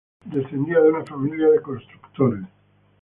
Descendía de una familia de constructores.